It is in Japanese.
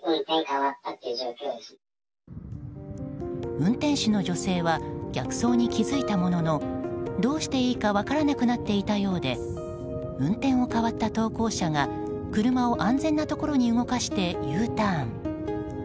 運転手の女性は逆走に気付いたもののどうしていいか分からなくなっていたようで運転を代わった投稿者が車を安全なところに動かしてＵターン。